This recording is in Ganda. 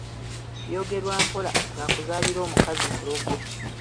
Byogerwa mpola, ng’akuzaalira omukazi mulogo.